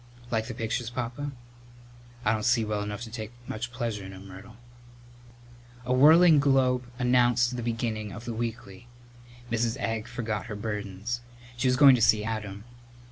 "Like the pictures, Papa?" "I don't see well enough to take much pleasure in 'em, Myrtle." A whirling globe announced the beginning of the weekly. Mrs. Egg forgot her burdens. She was going to see Adam.